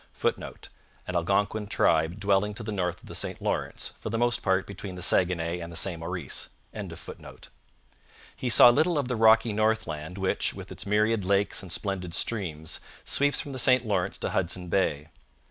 [Footnote: An Algonquin tribe dwelling to the north of the St Lawrence, for the most part between the Saguenay and the St Maurice.] He saw little of the rocky northland which, with its myriad lakes and splendid streams, sweeps from the St Lawrence to Hudson Bay.